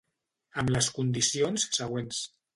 Amb les condicions següents.